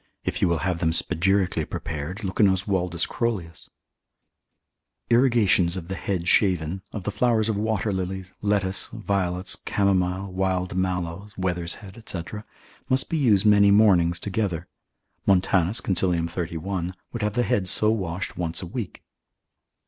If you will have them spagirically prepared, look in Oswaldus Crollius, basil. Chymica. Irrigations of the head shaven, of the flowers of water lilies, lettuce, violets, camomile, wild mallows, wether's head, &c., must be used many mornings together. Montan. consil. 31, would have the head so washed once a week.